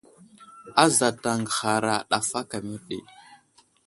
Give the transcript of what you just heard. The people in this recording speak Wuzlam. Azat aŋgəhara ɗaf aka mərdi.